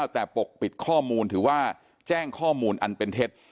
แต่ปกปิดข้อมูลถือว่าแจ้งข้อมูลอันเป็นเท็จ